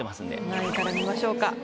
何位から見ましょうか？